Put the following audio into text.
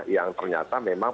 yang ternyata memang